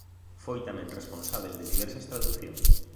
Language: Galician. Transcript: Foi tamén responsábel de diversas traducións.